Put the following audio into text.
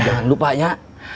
ya untuk pengen